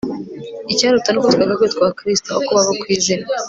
icyaruta ni uko twareka kwitwa abakristo aho kubabo ku izina